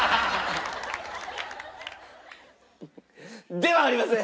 ではありません！